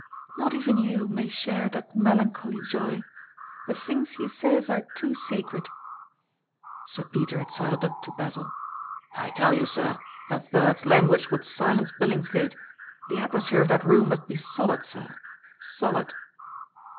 "Not even you may share that melancholy joy. The things he says are too sacred." Sir Peter had sidled up to Basil. "I tell you, sir, that bird's language would silence Billingsgate. The atmosphere of that room must be solid, sir—solid."